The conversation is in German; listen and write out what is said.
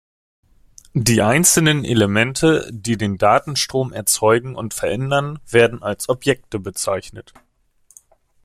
Die einzelnen Elemente, die den Datenstrom erzeugen und verändern, werden als Objekte bezeichnet.